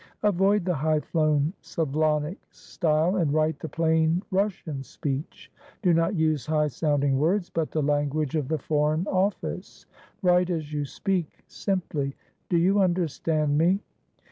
Avoid the highflown Slavonic style, and write the plain Russian speech. Do not use high sounding words, but the language of the Foreign Office. Write as you speak, simply. Do you understand me?"